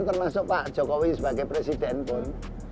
termasuk pak jokowi sebagai presiden pun